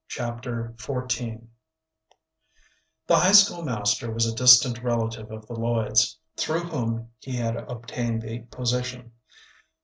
Chapter XIV The high school master was a distant relative of the Lloyd's, through whom he had obtained the position.